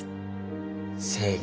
正義。